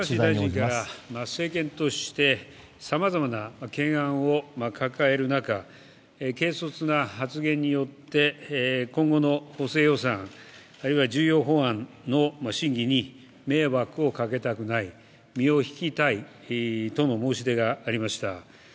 さまざまな懸案を抱える中軽率な発言によって今後の補正予算あるいは重要法案の審議に迷惑をかけたくない身を引きたいとの申し出がありました。